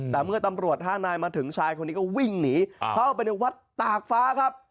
แต่เมื่อตำรวจห้านายมาถึงชายคนนี้ก็วิ่งหนีเข้าไปในวัดตากฟ้าครับ